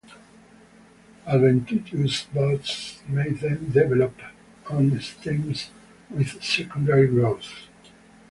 Adventitious buds may then develop on stems with secondary growth.